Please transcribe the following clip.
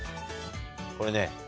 これね。